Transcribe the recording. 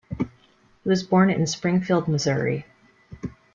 He was born in Springfield, Missouri.